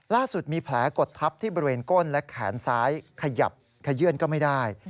ล่าสุดมีแผลกดทับที่บริเวณก้นและแขนซ้ายขยับขยื่นก็ไม่ได้